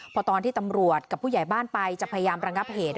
พอตอนที่ตำรวจกับผู้ใหญ่บ้านไปจะพยายามระงับเหตุ